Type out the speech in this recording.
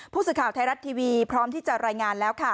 ผู้สื่อข่าวไทยรัฐทีวีพร้อมที่จะรายงานแล้วค่ะ